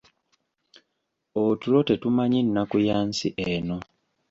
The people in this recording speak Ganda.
Otulo tetumanyi nnaku ya nsi eno.